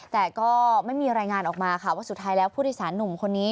แต่ก็ไม่มีรายงานออกมาค่ะว่าสุดท้ายแล้วผู้โดยสารหนุ่มคนนี้